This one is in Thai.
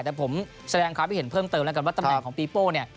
แต่ผมแสดงความคิดเห็นเพิ่มเติมแล้วกันว่าตำแหน่งของปีโป้เนี่ย